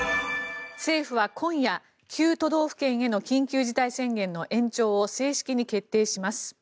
政府は今夜９都道府県への緊急事態宣言の延長を正式に決定します。